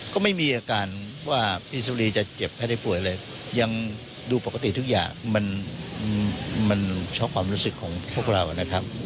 ก็ไม่มีอาการว่าพี่สุรีจะเจ็บไม่ได้ป่วยเลยยังดูปกติทุกอย่างมันช็อกความรู้สึกของพวกเรานะครับ